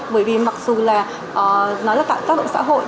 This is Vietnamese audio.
bởi vì mặc dù là nó là tạo tác động xã hội